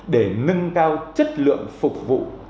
để nâng cao chất lượng phục vụ